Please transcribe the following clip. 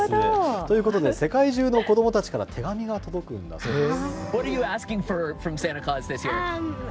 ということで、世界中の子どもたちから手紙が届くんだそうです。